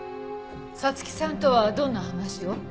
彩月さんとはどんな話を？